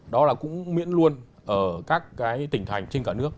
đó là cũng miễn luôn ở các cái tỉnh thành trên cả nước